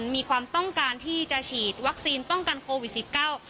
มีความต้องการที่จะฉีดวัคซีนป้องกันโควิดสิบเก้า